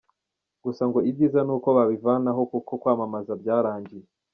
Gusa ngo ibyiza ni uko babivanaho kuko kwamamaza byarangiye.